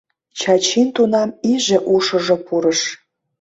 Чачин тунам иже ушыжо пурыш.